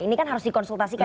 ini kan harus dikonsultasikan